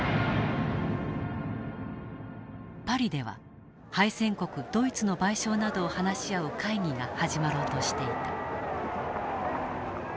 パリでは敗戦国ドイツの賠償などを話し合う会議が始まろうとしていた。